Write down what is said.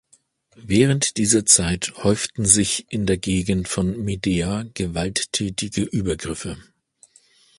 Während dieser Zeit häuften sich in der Gegend von Medea gewalttätige Übergriffe.